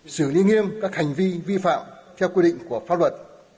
xử lý nghiêm các hành vi vi phạm theo quy định của pháp luật